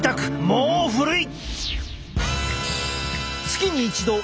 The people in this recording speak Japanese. もう古い！